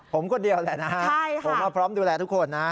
ผมคนเดียวแหละนะฮะผมพร้อมดูแลทุกคนนะ